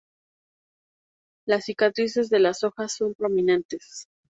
Las cicatrices de las hojas son prominentes.